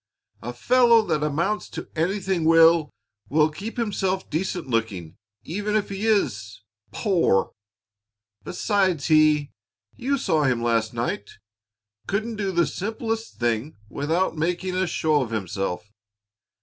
"A fellow that amounts to anything will will keep himself decent looking even if he is poor. Besides he you saw him last night; couldn't do the simplest thing without making a show of himself.